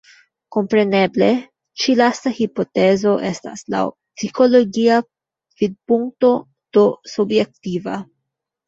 Kompreneble ĉi lasta hipotezo estas laŭ psikologia vidpunkto, do subjektiva.